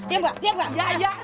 diam diam ayo